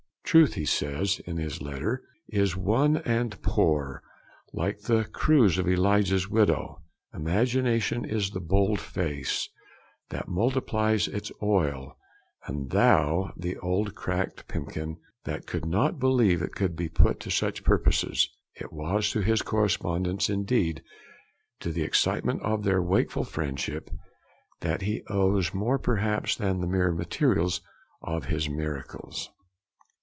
'Truth,' he says in this letter, 'is one and poor, like the cruse of Elijah's widow. Imagination is the bold face that multiplies its oil: and thou, the old cracked pipkin, that could not believe it could be put to such purposes.' It was to his correspondents, indeed to the incitement of their wakeful friendship, that he owes more perhaps than the mere materials of his miracles.